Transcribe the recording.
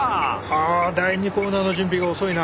あ第２コーナーの準備が遅いな。